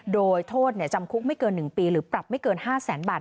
โดยโทษจำคุกไม่เกิน๑ปีหรือปรับไม่เกิน๕แสนบาท